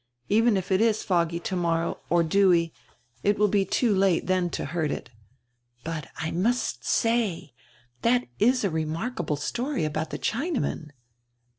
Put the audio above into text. Even if it is foggy tomorrow, or dewy, it will he too late then to hurt it. But, I must say, that is a remarkahle story ahout die Chinaman."